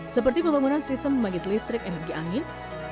seperti pembangunan sistem pembangkit listrik energi angin